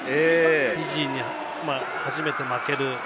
フィジーに初めて負ける。